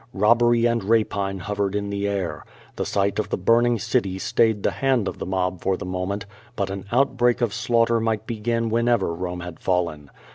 Robbery and rapine hovered in the air. The sight of the burning city stayed the hand of the mob for the moment, but an outbreak of slaughter might begin whenever Rome had fallen.